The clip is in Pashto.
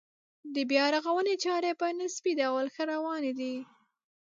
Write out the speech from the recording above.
د بیا رغونې چارې په نسبي ډول ښې روانې دي.